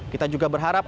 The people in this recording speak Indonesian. kita juga berharap